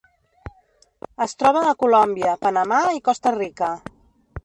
Es troba a Colòmbia, Panamà i Costa Rica.